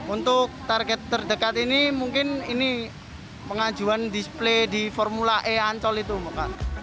untuk target terdekat ini mungkin ini pengajuan display di formula e ancol itu bukan